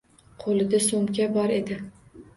Qoʻlida soʻmka bor edi.